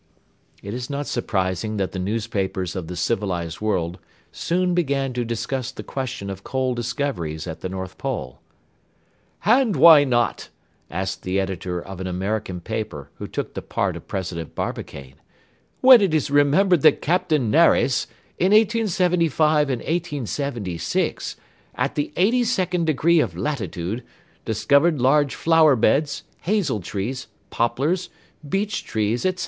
It is not surprising that the newspapers of the civilized world soon began to discuss the question of coal discoveries at the North Pole. "And why not," asked the editor of an American paper who took the part of President Barbicane, "when it is remembered that Capt. Nares, in 1875 and 1876, at the eighty second degree of latitude, discovered large flower beds, hazel trees, poplars, beech trees, etc.?"